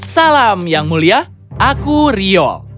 salam yang mulia aku rio